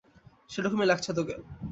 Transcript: সেরকমই লাগছে তোকে।